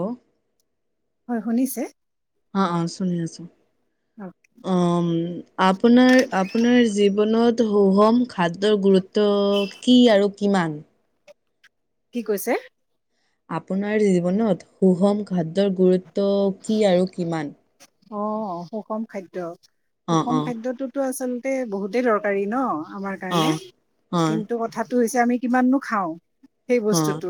অ হয় শুনিছে? অ অ চোনি আছোঁ। অ', উম আপোনাৰ আপোনাৰ জীৱনত হুহম খাদ্যৰ গুৰুত্ব কি আৰু কিমান? কি কৈছে? আপোনাৰ জীৱনত সুষম খাদ্যৰ গুৰুত্ব কি আৰু কিমান? অ সুষম খাদ্য অ সুষম অ খাদ্যতটোতো আছে আচলতে বহুতেই দৰকাৰী ন আমাৰ অ কাৰণে কিন্তু কথা হৈছে আমি কিমাননো খাওঁ সেই বস্তুতটো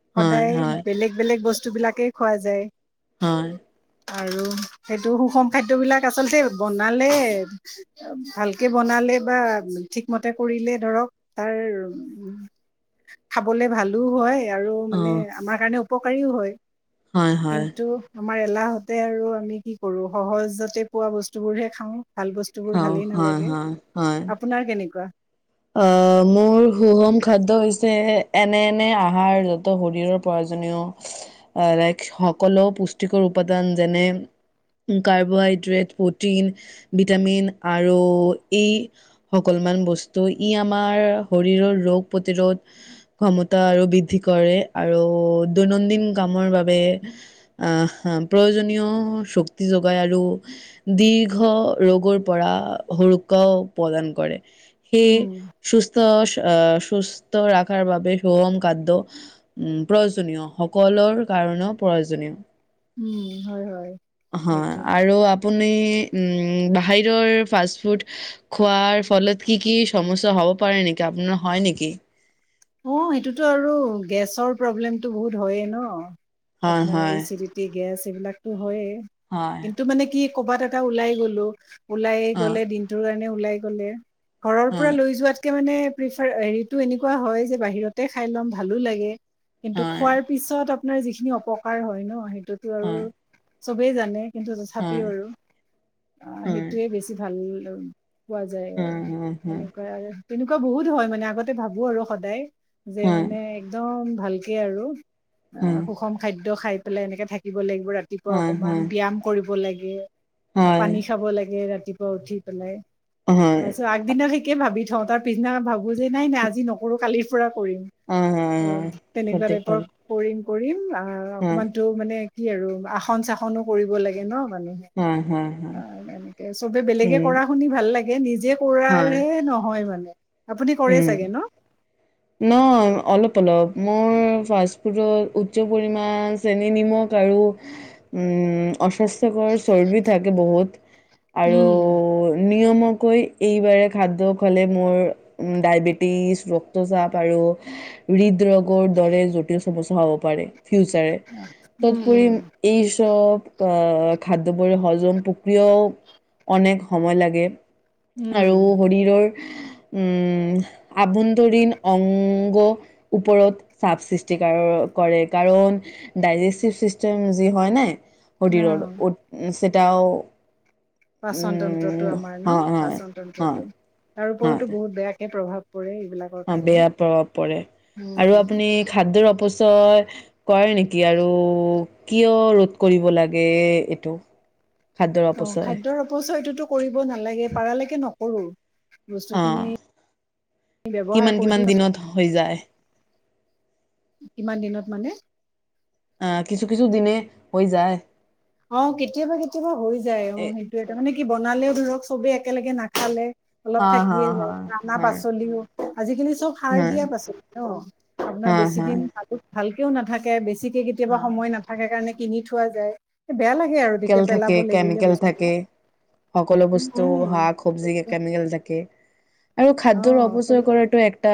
হয় সদায় হয় বেলেগ বেলেগ বস্তু বস্তুবিলাকেই খোৱা যায় হয় আৰু সেইটো সুষম খাদ্যবিলাক আচলতে বনালে ভালকে বনালে বা ঠিকমতে কৰিলে ধৰক তাৰ উ খাবলে ভালো হয়, আৰু অ মানে আমাৰ কাৰণে উপকাৰীও হয় হয় হয় কিন্তু আমাৰ এলাহতে আৰু আমি কি সৰু সহজতে পোৱা বস্তুবোৰ হে খাওঁ ভাল বস্তু বোৰ অ ভালেই হয় নালাগে আপোনাৰ কেনেকুৱা আহ মোৰ সুষম খাদ্য হৈছে এনে এনে আহাৰ য'ত শৰীৰৰ প্ৰয়োজনীয় লাইক সকলো পুষ্টিকৰ উপাদান যেনে কাৰ্বহাইড্ৰেট প্ৰটিন ভিটামিন আৰু এই সকলোমান বস্তু তই ই আমাৰ শৰীৰৰ ৰোগ প্ৰতিৰোধ ক্ষমতা আৰু বৃদ্ধি কৰে আৰু দৈনন্দিন কামৰ বাবে আহ প্ৰয়োজনীয় শক্তি যোগায় আৰু দীৰ্ঘ ৰোগৰ পৰা সুৰক্ষা প্ৰদান কৰেদ। হে উম সুস্থ আহ সুস্থ ৰখাৰ বাবে সূষম খাদ্য উ প্ৰয়োজনীয় সকলৰ কাৰণেও প্ৰয়োজনীয় উম! হয়, হয়, হয়, সেইটো আৰু আপুনি উম! বাহিৰৰ ফাষ্টফুড খোৱাৰ ফলত কি, কি সমস্যা হ'ব পাৰে নেকি, আপোনাৰ হয় নেকি? অ সেইটোতো আৰু গেছৰ প্ৰব্লেমতটো বহুত হয়য়েই ন। হয়, আপোনাৰ এই হয়, চিৰিটি গেছ এইবিলাক টো হয়য়ে হয়, কিন্তু মানে কি ক'বাত এটা ওলাই গ'লো ওলাইে অ', গ'লে দিনটোৰ কাৰণে ওলাই গ'লে ঘৰৰ পৰা হয়, লৈ যোৱাত মানে প্ৰেছাৰ হেৰিটো এনেকুৱা হয় যে যে বাহিৰতে খাই ল'ম ভালো লাগে। কিন্তু হয়, খোৱাৰ পিছত অ আপোনাৰ যিখিনি অপকাৰ হয় ন সেই সেইটো তো আৰু হয়, চবে জানে। কিন্তু হয়, তথাপিও আৰু, অ হয়, হয়, সেইটোৱে বেছি ভাল উম! কোৱা যায় হয়, হয়, হয়, এনেকুৱাই আৰু। তেনেকুৱা বহুত হয় মানে আগতে ভাবোঁ আৰু সদায় যে হয়, মানে একদম ভালকে আৰু হয়, অ হয়, সুষম খাদ্য খাই বোলে এনেকে থাকিব লাগিব ৰাতি-পুৱা অকমান হয়, ব্যায়াম কৰিব লাগি ইয়েহ হয়, পানী খাব লাগে ৰাতি ৰাতিপুৱা উঠি পেলাই হয়, অছ আগ দিনে সেই ভাবি থওঁ তাৰ পছদিনা ভাবোঁ যে নাই নাই আজি নকৰোঁ কালি কৰিম হয়, হয়, অহ, তেনেকুৱা সঠিক টাইপৰ কথা, কৰিম কৰিম না অ হয়, অকমানতো মানে কি আৰু আসন চাসনো কৰিব লাগে ন হয়, হয়, হয়, এনেকে চবে বেলেগে উম, কৰা শুনি ভাল লাগে এ নিজ যে হয়, কৰাৰে নহয় মানে আপুনি কৰে চাগে ন? নহ অলপ অলপ মোৰ ফাষ্টফুডত উচ্চ পৰিমাণ চেনি নিমখ আৰু অস্বাস্থ্যকৰ চৰবি থাকে বহুত আৰু উম নিয়মিয়াকৈ এইবাৰে খাদ্য খালে মোৰ ডায়েবেটিছ ৰক্তচাপ আৰু হৃদৰোগৰ দৰে জটিল সমস্যা হ'ব পাৰে। ফিউচাৰে তদপৰি উম এই চব অহ খাদ্যবোৰ হজম প্ৰক্ৰিয়াও অনেক সময় লাগে। উম আৰু উম শৰীৰৰ আভ্যন্তৰীণ অংগ ওপৰত চাপ সৃষ্টি কৰে কাৰণ ডাইজেষ্টিভ ছিষ্টেম যি হয় নাই অ শৰীৰৰ উম। তেতিয়াও পাচন তন্ত্ৰটো আমাৰ ন পাচন হয় তন্ত্ৰটো তাৰ উপৰতো বহুত বেয়া এ প্ৰভাৱ পৰে এইবিলাকৰ অ কাৰণে বেয়া প্ৰভাৱ পৰে আৰু উম আপুনি খাদ্যৰ অপচয় কৰে নেকি আৰু কিয় ৰোধ কৰিব লাগে এইটো খাদ্যৰ অ অপচয় খাদ্যৰ অপচয়টো কৰিব নালাগে পাৰালৈকে নক ৰো। অ ব্যৱহাৰ কিমান কৰি কিমান দিওঁ দিনত হৈ যায়? কিমান দিনত মানে? অহ কিছু কিছু দিনে হৈ যায়। অ কেতিয়াবা কেতিয়াবা হৈ যায় অ হা সেইটোয়ে তাৰ মানে বনালেও ধৰক চবেই একেলগে নাখালে অলপ হা থাকিয়ে হা যায় ৰান্না হয় পাচলিও আজিকালি চব সাৰ হয় দিয়া পাচলি ন আপোনাৰ হা বেছি হা দিন ভালকেও নাথাকে বেছি কেতিয়াবা হা সময় নাথাকে কাৰণে কিনি থোৱা যায়। বেয়া লাগে আৰু কেল তেতিয়া পেলাব থাকে লাগিলে কেমিকেল থাকে বস্তুবিলাক সকলো উম বস্তু উম শাক চবজি কেমিকেল থাকে। আৰু অ খাদ্যৰ চব অপচয় কৰাটো একটা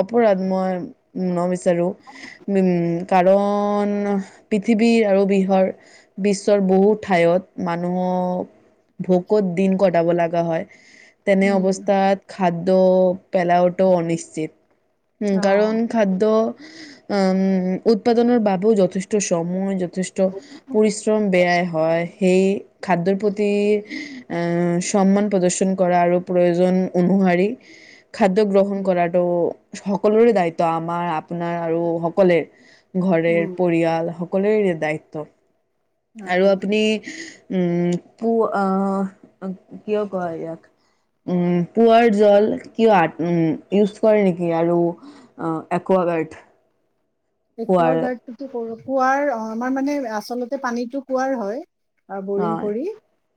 অপৰাধ মই উ নম ত আৰু [unintelligible] কাৰণ পৃথিৱীৰ আৰু বিহৰ বিশ্বৰ বহু ঠাইত, মানুহক ভোকত দিন কটাব লগা হয়। তেনে উম অৱস্থাত খাদ্য পেলাওঁটোও অনিশ্চিত। উম অ কাৰণ খাদ্য উম! উ! উৎপাদনৰ বাবেও যথেষ্ট সময় যথেষ্ঠ পৰিশ্ৰম বেয়াই হয়। সেই খাদ্যৰ প্ৰতি, সমান প্ৰদৰ্শন কৰা আৰু প্ৰয়োজন অনুসাৰী খাদ্য গ্ৰহণ উম কৰাটো সকলোৰে দায়িত্ব, আমাৰ আপোনাৰ আৰু সকলে ঘৰেৰ উম পৰিয়াল সকলোৰে দায়িত্ব। আৰু অ আপুনি উম, পো কিয় কয় ইয়াক, উ' পোৱাৰ জল কিয়, উ! ইউজ কৰে নেকি আৰু একোৱাগাৰ্ড একোৱা খোৱাৰ গাৰ্ডটো ত' কৰোঁ। কুঁৱাৰ অ' আমাৰ মানে আচলতে পানীতটো কুঁৱাৰ হয়। অ' বৰিং হয় কৰি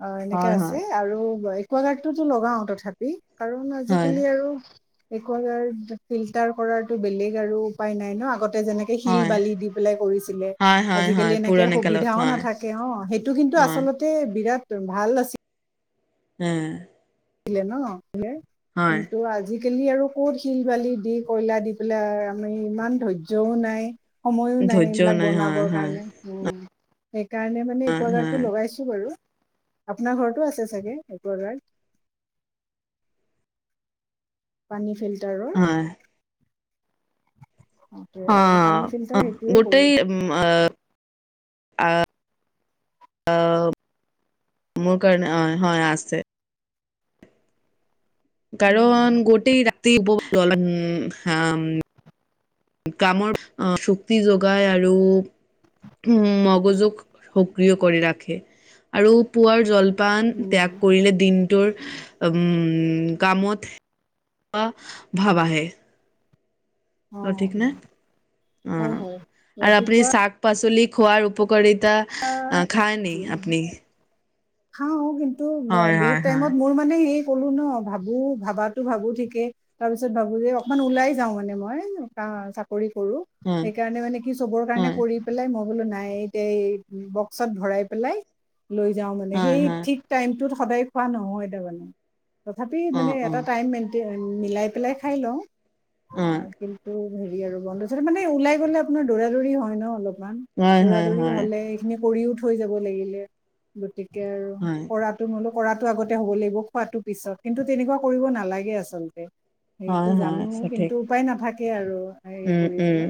অ' এনেকে হয় হয় আছে আৰু ক'লাৰটো ত' লগাও তথাপি। কাৰণ হয় আজিকালি আৰু একোৱাগাৰ্ড ফিল্টাৰ কৰাতো বেলেগ আৰু উপায় নাই ন, আগতে যেনেকে শিল হয় বালি দি পেলাই কৰিছিলে, হয় হয় আজিকালি হয় এনেকে পুৰণি কালত সুবিধাও হয় নাথাকে অ' সেইটো কিন্তু হয় আচলতে বিৰাট তুমি ভাল আছিল। হ'ম চিলে ন? কিন্তু আজি আজিকালি আৰু ক'ত শিল বালি দি, কয়লা দি পেলাই আমি ইমান ধৈৰ্যও নাই। সময়ো নাই, ধৈৰ্য্যও এইবিলাক হয় বনাবৰ হয় কাৰণে, উম! [unintelligible] কাৰণে মানে, হয় হয় একোৱাগাৰ্ডটো লগাইছোঁ বাৰু। আপোনাৰ ঘৰতোঁ আছে চাগে, একোৱাগাৰ্ড। পানী ফিল হয়। আৰু পানী অ' ফিল্টাৰ অ' সেইটোৱে গোটেই কৰোঁ উম আঁ মোৰ কাৰণে অ' হয় আছে। উম কাৰণ গোটেই [unintelligible] কামৰ শক্তি যোগায় আৰু, মগজুক, সক্ৰিয় কৰি ৰাখে আৰু পুৱাৰ জল, পান উম ত্যাগ কৰিলে দিনটোৰ উম, উম, কামত ভাৱ আহে। অ, ঠিক নে হয় অ' হয় আৰু আপুনি ৰাতিপুৱা শাক- পাচলি খোৱাৰ উপকাৰী, এটা খায় নি আপুনি? খাও কিন্তু হয় বহুত হয় হয় টাইমত মোৰ মানে হে, ক'লো ন ভাবো -ভাবাতো -ভাবো ঠিকেই তাৰপিছত ভাবো যে অকমান ওলাই যাওঁ মানে মই চাকৰি কৰোঁ সেইকাৰণে মানে কি চবৰ কাৰণে হয় কৰি পেলাই মই বলো নাই এতিয়া এই বক্সত ভৰাই পেলাই লৈ যাও। হয় সেই হয় হয় ঠিক টাইমটোত, সদায় খোৱা নহয় তাৰ মানে। তথাপি অ মানে অ এটা টাইম মেন, মিলাই পেলাই খাই লওঁ। অ' কিন্ত হেৰি আৰু বন্ধ মানে ওলাই গ'লে আপোনাৰ দৌৰা -দৌৰি হয় ন অলপ। ইমান হয় দৌৰা হয় -দৌৰি হয় হ'লে এইখিনি, পৰিও থৈ যাব লাগিলে গতিকে, তাকেই আৰু হয় কৰাতো বোলো কৰাতো আগতে হ'ব লাগিব, খোৱাতো পিছত কিন্তু তেনেকুৱা কৰিব নালাগে আচলতে। সেইটো হয় হয় জানো সঠিক কিন্তু উপায় নাথাকে। তাকেই আৰু উম- উম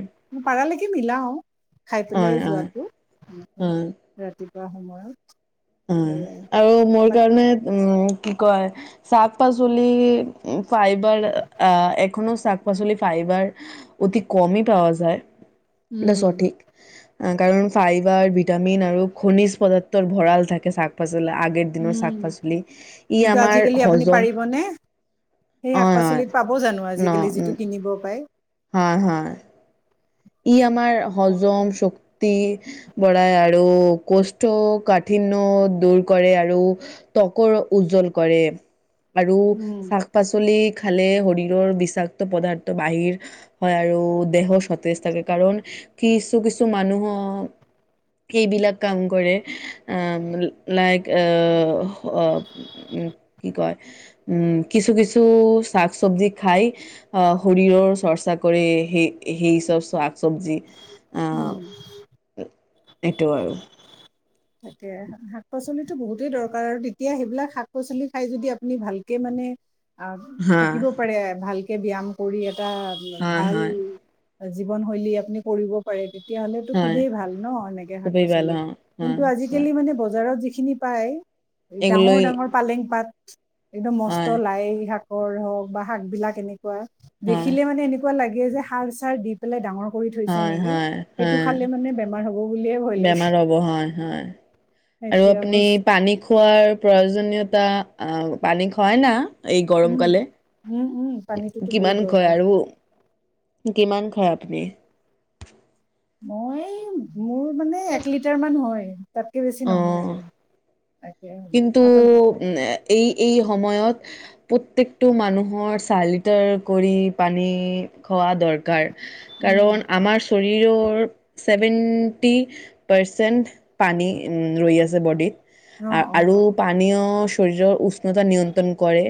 কি মিলাও অ, খাই পেলাই হয় হয় যোৱাটো ৰাতি। পুৱা সময়ত অ সেয়াই আৰু মোৰ বাক কাৰণে উম কি কয় শাক পাচলি ফাইবাৰ আহ এখনো শাক পাচলি ফাইবাৰ অতি কমি পোৱা যায় দছো উম ঠিক কাৰণ ফাইবাৰ ভিটামিন আৰু খনিজ পদাৰ্থৰ ভঁৰাল থাকে শাক -পাচ বুলে আগে দিনৰ শাক উম পাচলি, ই কিন্তু আমাৰ আজিকালি আপুনি হজম, পাৰিবনে সেই অ শাক অ পাচলিত পাব জানো ন আজিকালি যিটো উম কিনিব পাই হয় হয়। ই আমাৰ হজম শক ক্তি বঢ়াই আৰু কোষটো কাঠিন্য দূৰ কৰে আৰু তকৰ উজ্জ্বল কৰে। আৰু উম, শাক -পাচলিক খালে শৰীৰৰ বিষাক্ত পদাৰ্থ বাহিৰ হয় আৰু দেহৰ স তেজ থাকে কাৰণ কিছু কিছু মানুহ, এইবিলাক কাম কৰে আহ লাইক আহ কি কয় উম কিছু কিছু শাক চবজি খাই আহ শৰীৰৰ চৰ্চা কৰে সেই সেই চ শাক চবজি আহ উম। এইটো আৰু। তাকে শাক -পাচলিটো বহুতেই দৰকাৰ আৰু তেতিয়া সেইবিলাক শাক পাচলি খাই যদি আপুনি ভালকে মানে অ হা থাকিব পাৰে ভাল কে ব্যায়াম কৰি এটা হয় ভাল হয় জীৱনশৈলী আপুনি কৰিব পাৰে। তেতিয়াহলেতো হয় খুবেই ভাল ন, এনেকে শাক- খুবেই ভালো পাচলি অ হয় কিন্তু হয় আজিকালি মানে বজাৰত যি খিনি পায় এগুলোই ডাঙৰ ডাঙৰ পালেং পাত একদম মস্ত হয় লাই শাক কৰ হওক বা শাক বিলাক এনেকে হয় দেখিলে মানে এনেক এনেকুৱা লাগে যে সাৰ চাৰ দি পেলাই ডাঙৰ হৈ থৈচে হয় নেকি, হয় সেইটো হয় খালে মানে বেমাৰ হ হব বুলিয়ে ভয় বেমাৰ লাগে। হ'ব হয় হয়, আৰু এতিয়া আপুনি বছ পানী খো খোৱাৰ প্ৰয়োজনীয়তা, আঁ পানী খুৱায় না এই গৰম উম কালে, উম উম পানীটোতো বহুত কিমান কয় দৰকাৰ আৰু কিমান খাই আপুনি? মই মোৰ মানে এক লিটাৰ মান হয়। তাতকে বেছি অ নহয় আৰু কিন্তু আচল উম এই এই সময়ত প্ৰত্যেকটো মানুহৰ চাৰ লিটাৰ কৰি পানী খোৱা দৰকাৰ উম কাৰণ আমাৰ শৰীৰৰ ৰৰ চেভেনটি পাৰ্চেন্ট পানী ৰৈ আছে বডিত অ আৰু পানীয় শৰীৰৰ উচ সিহত নিয়ন্ত্ৰণ কৰে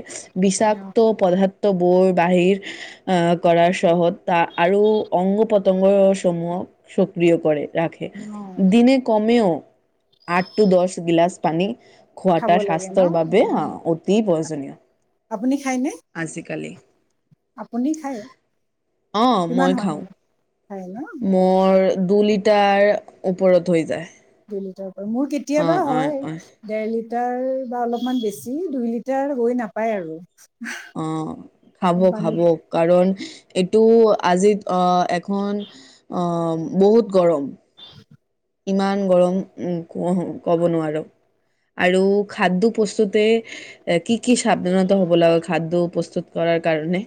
অ বিষাক্ত পদাৰ্থ বৰ বাহিৰ অ কৰাৰ চহতা আৰু অংগ পতংগসমূহক সক্ৰিয় কৰে। অ অ ৰাখে দিনে কমেও আঠ টো দছ গিলাছ পানী খাব খোৱাটা লাগে ন স্বাস্থ্যৰ বাবে উম, অতি বয়চ- ধুনীয়া আপুনি খাইনে আপুনি খায় অ কিমান মই হয় মানে খাওঁ খায় ন অ মোৰ দুলি তাৰ ওপৰত হৈ যায় হিনতৰ মোৰ অ কেতিয়াবা অ অ হয় ডেৰলি লিটাৰ বা অলপমান বেছি দুই লিটাৰ হৈ নাপায় আৰু অ খাব মানে খাব পানীত কাৰণ এইটো আজিত অ এখন বহুত গৰম ইমান গৰম উম ক কব নোৱাৰো আৰু খাদ্য প্ৰস্তুতে কি কি সাৱধানতা হব লাগে খাদ্য প্ৰস্তুত কৰাৰ কাৰণে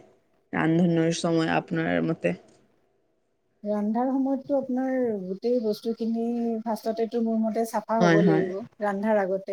ৰান্ধনৰ সময় আপোনাৰ মতে ৰন্ধাৰ সময়টো আপোনাৰ গোটেই বস্তু খিনি ফাষ্টতে টো মোৰ মতে চাফা হয় হ'ব হয় লাগিব ৰন্ধাৰ আগত